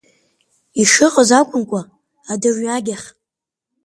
Ишыҟаз акәымкәа, аҭырҩагьых…